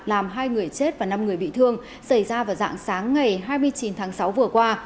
làm hai người chết và năm người bị thương xảy ra vào dạng sáng ngày hai mươi chín tháng sáu vừa qua